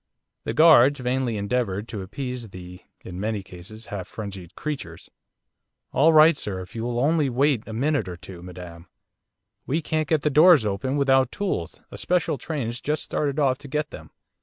The guards vainly endeavoured to appease the, in many cases, half frenzied creatures. 'All right, sir! If you'll only wait a minute or two, madam! We can't get the doors open without tools, a special train's just started off to get them.